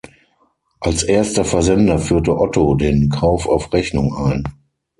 Als erster Versender führte Otto den Kauf auf Rechnung ein.